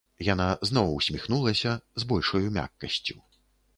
Яна зноў усміхнулася, з большаю мяккасцю.